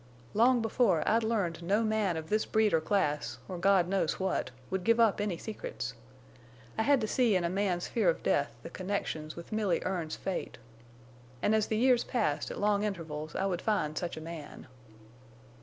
Long before I'd learned no man of this breed or class—or God knows what—would give up any secrets! I had to see in a man's fear of death the connections with Milly Erne's fate. An' as the years passed at long intervals I would find such a man.